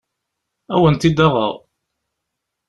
Ad awen-t-id-aɣeɣ.